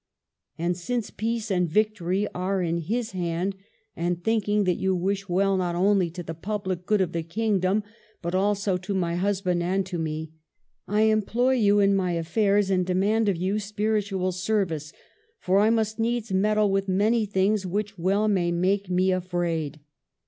And since peace and victory are in His hand, and thinking that you wish well not only to the public good of the kingdom but also to my husband and to me, I employ you in my affairs, and demand of you spiritual service ; for I must needs meddle with many things which well may make me afraid.